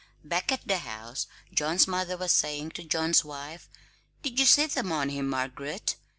Back at the house John's mother was saying to John's wife: "Did you see them on him, Margaret?